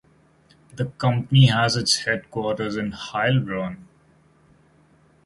The company has its headquarters in Heilbronn.